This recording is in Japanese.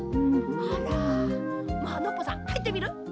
あらまあノッポさんはいってみる？